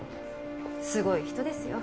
すごい人ですよ。